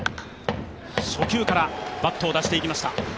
初球からバットを出していきました。